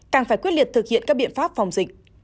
càng phải quyết liệt thực hiện các biện pháp phòng dịch